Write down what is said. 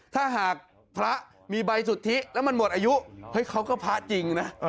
ถ้าหากพระมีใบสุทธิแล้วมันหมดอายุเขาก็พระจริงนะ